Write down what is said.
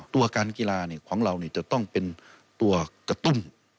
ตัวการกีฬาของเราจะต้องเป็นตัวกระตุ้น